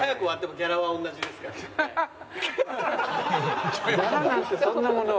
ギャラなんてそんなものは。